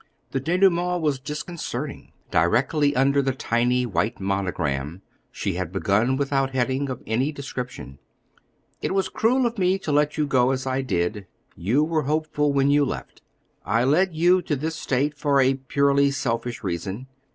The denouement was disconcerting. Directly under the tiny white monogram she had begun without heading of any description: It was cruel of me to let you go as I did: you were hopeful when you left. I led you to this state for a purely selfish reason.